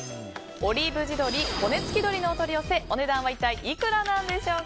オリーブ地鶏骨付鶏のお取り寄せお値段は一体いくらなんでしょうか。